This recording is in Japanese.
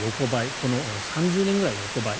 この３０年ぐらい横ばい